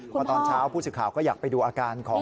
พอตอนเช้าผู้สื่อข่าวก็อยากไปดูอาการของ